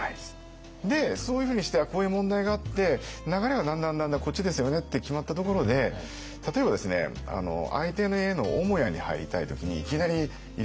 そういうふうにしてこういう問題があって流れがだんだんだんだんこっちですよねって決まったところで例えば相手の家の母屋に入りたい時にいきなり入れる人いないじゃないですか。